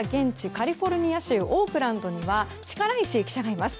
カリフォルニア州オークランドには力石記者がいます。